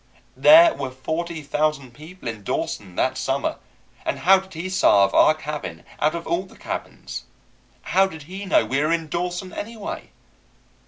There were forty thousand people in Dawson that summer, and how did he savvy our cabin out of all the cabins? How did he know we were in Dawson, anyway?